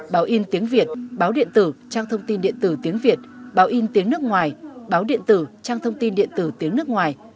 báo in tiếng việt báo điện tử trang thông tin điện tử tiếng việt báo in tiếng nước ngoài báo điện tử trang thông tin điện tử tiếng nước ngoài